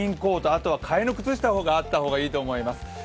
あとは替えの靴下があった方がいいと思います。